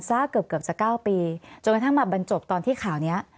ซ่าเกือบสัก๙ปีจนกระทั่งมาบันจบตอนที่ข่าวนี้